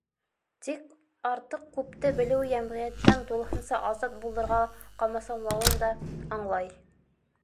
Тик артыҡ күпте белеүе йәмғиәттән тулыһынса азат булырға ҡа-масаулауын да аңлай.